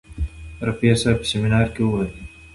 رفیع صاحب په سیمینار کې وویل.